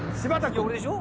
俺でしょ。